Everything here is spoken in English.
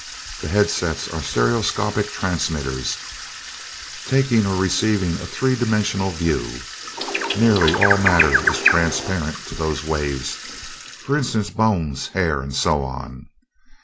The headsets are stereoscopic transmitters, taking or receiving a three dimensional view. Nearly all matter is transparent to those waves; for instance bones, hair, and so on.